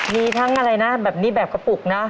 มีทั้งอะไรนะแบบนี้แบบกระปุกนะ